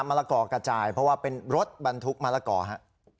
ละกอกระจายเพราะว่าเป็นรถบรรทุกมะละกอฮะ